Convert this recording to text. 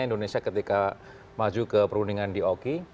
indonesia ketika maju ke perundingan di oki